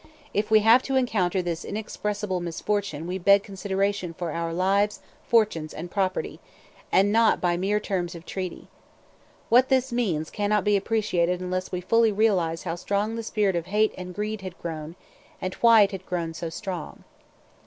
'If we have to encounter this inexpressible misfortune we beg consideration for our lives, fortunes, and property, and not by mere terms of treaty.' What this means cannot be appreciated unless we fully realize how strong the spirit of hate and greed had grown, and why it had grown so strong.